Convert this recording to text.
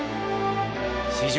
史上